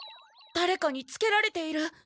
だれかにつけられている。